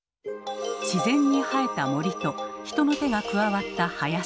自然に生えた「森」と人の手が加わった「林」。